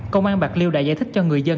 công an bạc liêu đã giải thích cho người dân